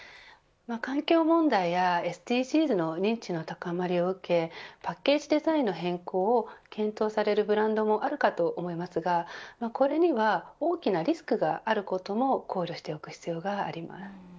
環境問題やＳＤＧｓの認知の高まりを受けパッケージデザインの変更を検討されるブランドもあるかと思いますがこれには大きなリスクがあることも考慮しておく必要があります。